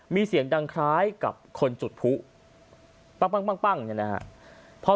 มีเสียงดังคล้ายกับคนจุดผู้ป้ั่งอันนี้นะครับ